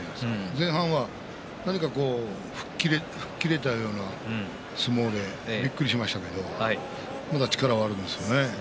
前半は、何か吹っ切れたような相撲でびっくりしましたけれどまだ力はあるんですよね。